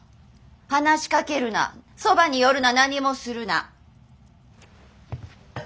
話しかけるなそばに寄るな何もするな。